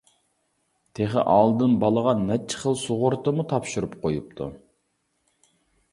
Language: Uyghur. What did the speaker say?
تېخى ئالدىن بالىغا نەچچە خىل سۇغۇرتىمۇ تاپشۇرۇپ قويۇپتۇ.